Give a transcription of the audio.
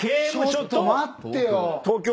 ちょっと待ってよ。